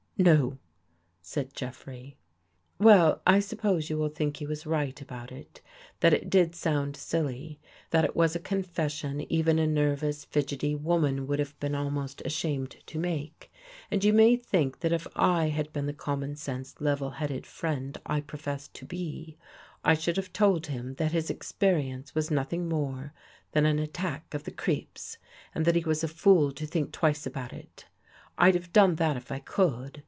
"" No," said Jeffrey. Well, I suppose you will think he was right about It. That It did sound silly; that It was a confession even a nervous, fidgety woman would have been al most ashamed to make, and you may think that if I had been the common sense, level headed friend I 34 THE UNSEEN VISITOR professed to be, I should have told him that his ex perience was nothing more than an attack of the creeps and that he was a fool to think twice about it. I d have done that if I could.